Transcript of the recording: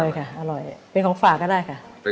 อร่อยค่ะอร่อยเป็นของฝากก็ได้ค่ะ